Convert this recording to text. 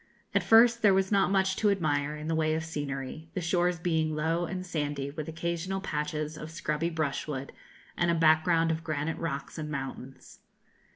At first there was not much to admire in the way of scenery, the shores being low and sandy, with occasional patches of scrubby brushwood, and a background of granite rocks and mountains.